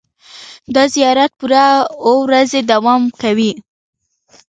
دا زیارت پوره اوه ورځې دوام کوي.